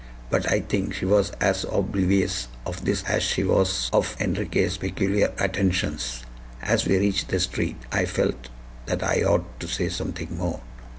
But I think she was as oblivious of this as she was of Enriquez' particular attentions. As we reached the street I felt that I ought to say something more.